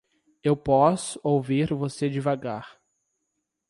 Eu posso ouvir você devagar.